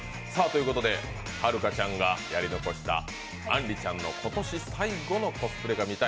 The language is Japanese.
はるかちゃんがやり残したあんりちゃんの今年の最後のコスプレが見たい。